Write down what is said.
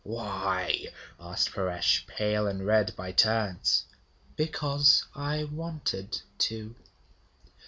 'Why?' asked Paresh, pale and red by turns. 'Because I wanted to.'